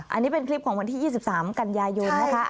อันนี้เป็นคลิปของวันที่๒๓กันยายนนะคะ